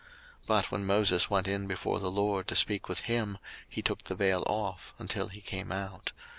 02:034:034 But when Moses went in before the LORD to speak with him, he took the vail off, until he came out.